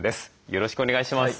よろしくお願いします。